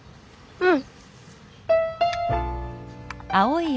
うん。